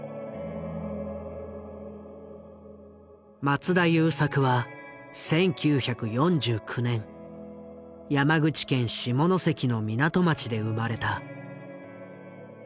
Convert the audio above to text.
松田優作は１９４９年山口県下関の港町で生まれた。